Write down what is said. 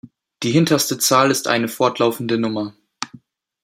Die hinterste Zahl ist eine fortlaufende Nummer.